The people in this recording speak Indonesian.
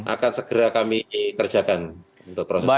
akan segera kami kerjakan untuk proses